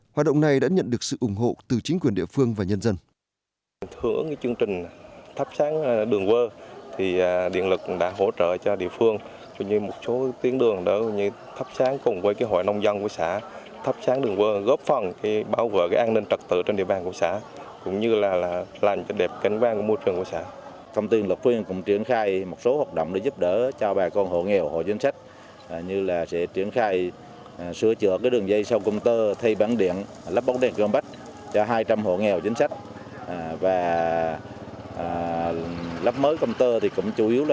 hoạt động này đã nhận được sự ủng hộ từ chính quyền địa phương và nhân dân